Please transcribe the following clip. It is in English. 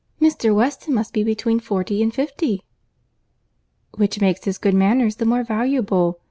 Mr. Weston must be between forty and fifty." "Which makes his good manners the more valuable.